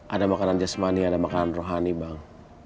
ada makanan jasmani ada makanan rohani bang